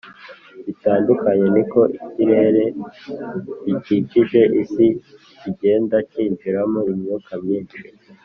bitandukanye, ni ko ikirere gikikije isi kigenda kinjiramo imyuka myinshi